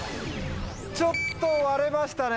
ちょっと割れましたね。